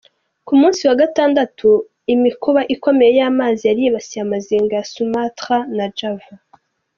Ku munsi wa Gatandatu imikuba ikomeye y'amazi yaribasiye amazinga ya Sumatra na Java.